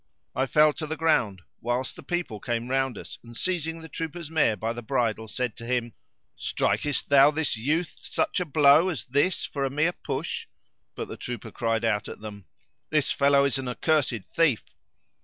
I fell to the ground, whilst the people came round us and seizing the trooper's mare by the bridle said to him, "Strikest thou this youth such a blow as this for a mere push!" But the trooper cried out at them, "This fellow is an accursed thief!"